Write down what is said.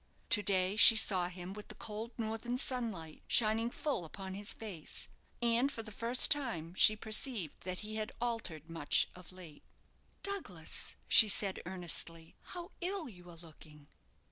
To day she saw him with the cold northern sunlight shining full upon his face; and for the first time she perceived that he had altered much of late. "Douglas," she said, earnestly, "how ill you are looking!"